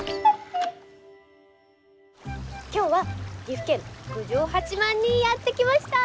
今日は岐阜県郡上八幡にやって来ました！